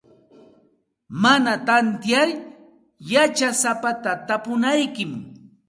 Mana tantiyar yachasapata tapunaykim.